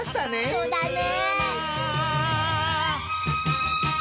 ［そうだね］